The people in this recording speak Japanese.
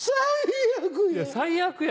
最悪や。